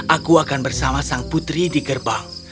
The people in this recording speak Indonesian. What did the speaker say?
aku akan bersama sang putri di gerbang